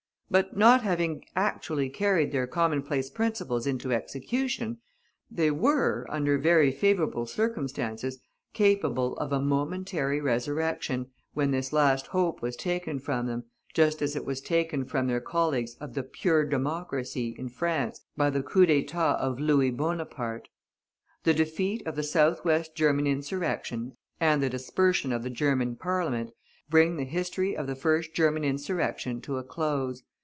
But not having actually carried their commonplace principles into execution, they were, under very favorable circumstances, capable of a momentary resurrection, when this last hope was taken from them, just as it was taken from their colleagues of the "pure Democracy" in France by the coup d'état of Louis Bonaparte. The defeat of the south west German insurrection, and the dispersion of the German Parliament, bring the history of the first German insurrection to a close.